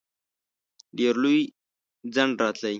ډېر لوی ځنډ راتلی.